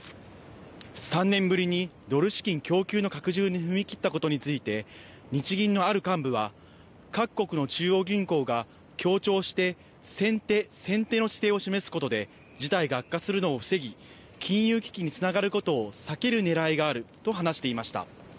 ３年ぶりにドル資金供給の拡充に踏み切ったことについて日銀のある幹部は各国の中央銀行が協調して先手先手の姿勢を示すことで事態が悪化するのを防ぎ金融危機につながることを避けるねらいがあると話していました。